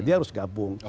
dia harus gabung